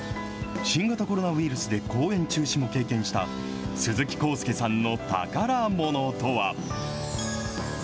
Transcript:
新型コロナウイルスで公演中止も経験した、鈴木浩介さんの宝ものとは。